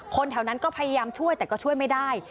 แถวนั้นก็พยายามช่วยแต่ก็ช่วยไม่ได้